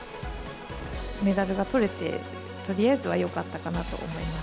メダルがとれて、とりあえずはよかったかなと思います。